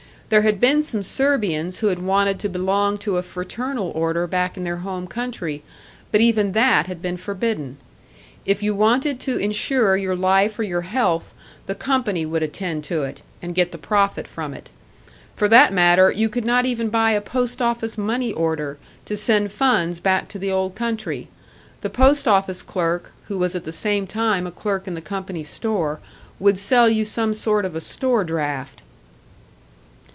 There had been some Serbians who had wanted to belong to a fraternal order back in their home country, but even that had been forbidden. If you wanted to insure your life or your health, the company would attend to it and get the profit from it. For that matter, you could not even buy a post office money order, to send funds back to the old country; the post office clerk, who was at the same time a clerk in the company store, would sell you some sort of a store draft.